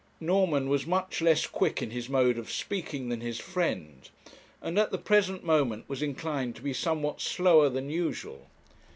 Norman was much less quick in his mode of speaking than his friend, and at the present moment was inclined to be somewhat slower than usual.